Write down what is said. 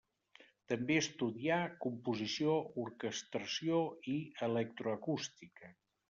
També estudià composició, orquestració i electroacústica.